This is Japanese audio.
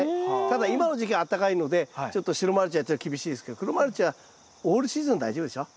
ただ今の時期はあったかいのでちょっと白マルチやったら厳しいですけど黒マルチはオールシーズン大丈夫でしょ。